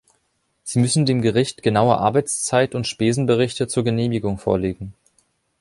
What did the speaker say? Sie müssen dem Gericht genaue Arbeitszeit- und Spesenberichte zur Genehmigung vorlegen.